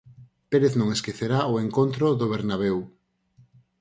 Pérez non esquecerá o encontro do Bernabeu.